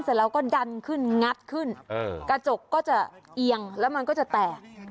เสร็จแล้วก็ดันขึ้นงัดขึ้นกระจกก็จะเอียงแล้วมันก็จะแตก